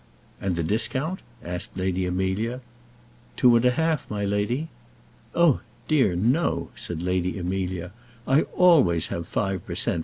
"And the discount?" asked Lady Amelia. "Two and a half, my lady." "Oh dear, no," said Lady Amelia. "I always have five per cent.